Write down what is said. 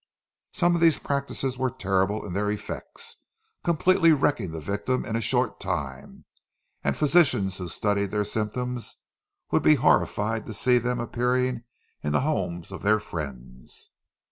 Some of these practices were terrible in their effects, completely wrecking the victim in a short time; and physicians who studied their symptoms would be horrified to see them appearing in the homes of their friends.